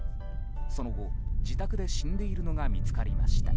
その後、自宅で死んでいるのが見つかりました。